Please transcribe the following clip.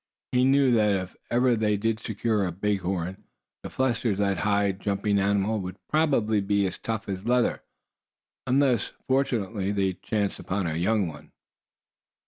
He knew that if ever they did secure a big horn, the flesh of that high jumping animal would probably be as tough as leather, unless fortunately they chanced upon a young one.